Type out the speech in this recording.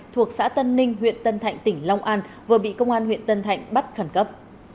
thuộc xã tân ninh huyện tân thạnh tỉnh long an vừa bị công an huyện tân thạnh bắt khẩn cấp